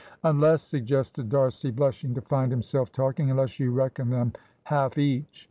"Unless," suggested D'Arcy, blushing to find himself talking, "unless you reckon them half each."